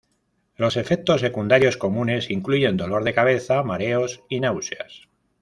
Los efectos secundarios comunes incluyen dolor de cabeza, mareos y náuseas.